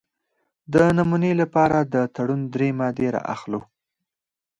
د نمونې لپاره د تړون درې مادې را اخلو.